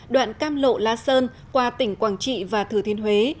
đoạn cam lộ la sơn qua tỉnh quảng trị và thừa thiên huế